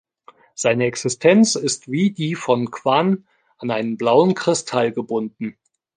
Seine Existenz ist wie die von Kwan an einen blauen Kristall gebunden.